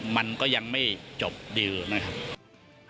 มันก็ยังไม่จบดีลนะครับ